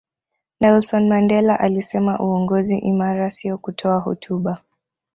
nelson mandela alisema uongozi imara siyo kutoa hotuba